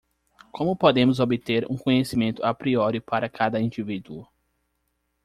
Como podemos obter um conhecimento a priori para cada indivíduo?